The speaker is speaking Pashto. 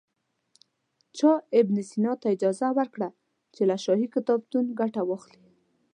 چا ابن سینا ته اجازه ورکړه چې له شاهي کتابتون ګټه واخلي.